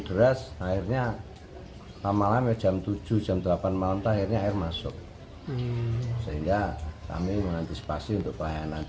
deras akhirnya malam jam tujuh jam delapan malam akhirnya air masuk sehingga kami mengantisipasi untuk pelayanan